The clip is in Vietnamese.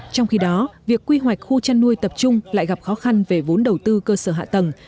trong khi đó việc quy hoạch khu chăn nuôi tập trung lại gặp khó khăn về vốn đầu tư cơ sở hạ tầng